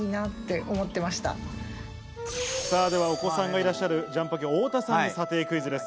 お子さんがいらっしゃる、ジャンポケ太田さんに査定クイズです。